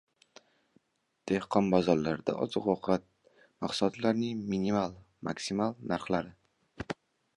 Dehqon bozorlarida oziq-ovqat mahsulotlarining minimal-maksimal narxlari